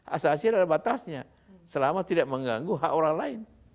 asasi adalah batasnya selama tidak mengganggu hak orang lain